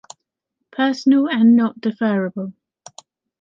Personal and not deferrable